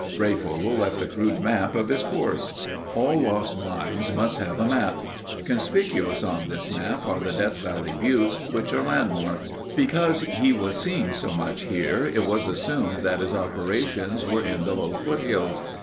Breyfogle left a crude map of his course. All lost mines must have a map. Conspicuous on this map are the Death Valley Buttes which are landmarks. Because he was seen so much here, it was assumed that his operations were in the low foothills.